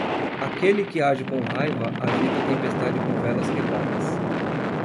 Aquele que age com raiva agita a tempestade com velas quebradas.